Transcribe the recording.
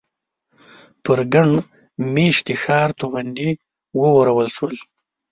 پر ګڼ مېشتي ښار توغندي وورول شول.